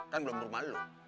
kan belum berumah lu